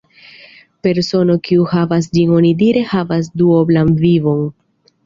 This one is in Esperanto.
Persono kiu havas ĝin onidire havas duoblan vivon.